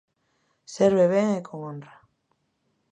Serve ben e con honra.